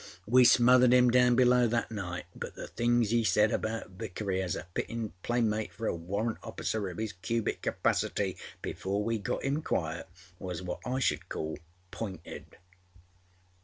We smothered him down below that night, but the things âe said about Vickery as a fittinâ playmate for a Warrant Officer of âis cubic capacity, before we got him quiet, was what I should call pointed.